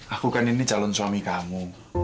aku kan ini calon suami kamu